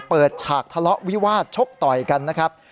ฉากทะเลาะวิวาสชกต่อยกันนะครับ